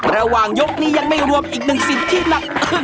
ระหว่างยกนี้ยังไม่รวมอีกหนึ่งสิทธิ์ที่หนักอึ้ง